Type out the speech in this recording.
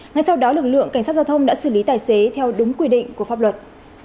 ngay sau đó lực lượng cảnh sát giao thông đã xử lý tài xế theo đúng quy định của pháp luật